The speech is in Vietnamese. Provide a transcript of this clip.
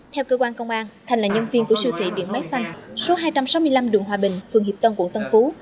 theo cơ quan công an thành là nhân viên của siêu thị điện máy xanh số hai trăm sáu mươi năm đường hòa bình phường hiệp tân quận tân phú